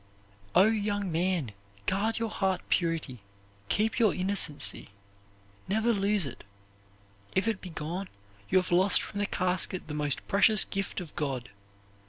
O, young man, guard your heart purity! Keep innocency! Never lose it; if it be gone, you have lost from the casket the most precious gift of God.